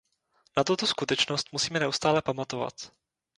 Na tuto skutečnost musíme neustále pamatovat.